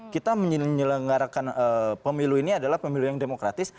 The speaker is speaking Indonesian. kita menyelenggarakan pemilu ini adalah pemilu yang demokratis